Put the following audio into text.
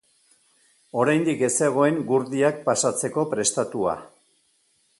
Oraindik ez zegoen gurdiak pasatzeko prestatua.